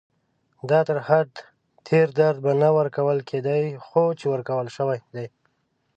دا تر حد تېر درد به نه ورکول کېدای، خو چې ورکول شوی دی.